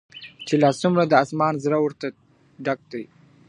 چي لا څومره د اسمان زړه ورته ډک دی .